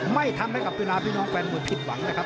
ไม่ทำให้กับเวลาพี่น้องแฟนมวยผิดหวังนะครับ